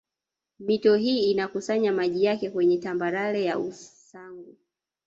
Mito hii inakusanya maji yake kwenye tambarare ya Usangu